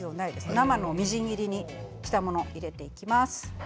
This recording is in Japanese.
生のみじん切りにしたものを入れていきます。